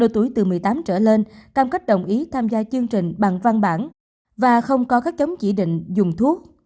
trở lên cam kết đồng ý tham gia chương trình bằng văn bản và không có các chống chỉ định dùng thuốc